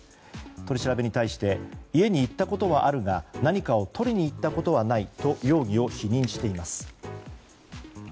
取り調べに対して家に行ったことはあるが何かをとりに行ったことはないと容疑を否認しています。